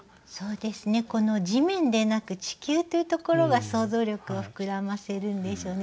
この地面でなく地球というところが想像力を膨らませるんでしょうね。